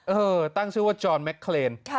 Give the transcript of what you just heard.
ตั้งชื่อว่าจอนแมคเคลน